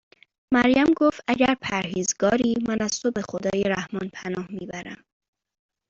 مریم گفت: اگر پرهیزگاری، من از تو به خدای رحمان پناه میبرم